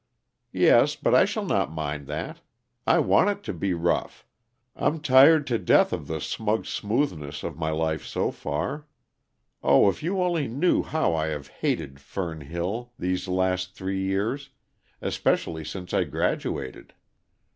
"Yes but I shall not mind that. I want it to be rough. I'm tired to death of the smug smoothness of my life so far. Oh, if you only knew how I have hated Fern Hill, these last three years, especially since I graduated.